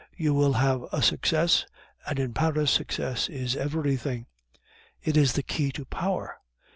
You will have a success, and in Paris success is everything; it is the key of power.